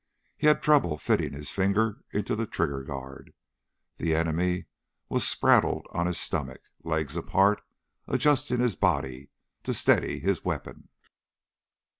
He had trouble fitting his finger into the trigger guard. The enemy was spraddled on his stomach, legs apart, adjusting his body to steady his weapon.